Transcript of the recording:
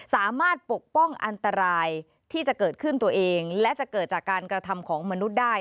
ปกป้องอันตรายที่จะเกิดขึ้นตัวเองและจะเกิดจากการกระทำของมนุษย์ได้